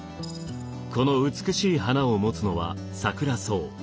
この美しい花を持つのはサクラソウ。